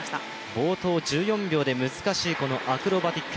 冒頭１４秒で難しい、このアクロバティック。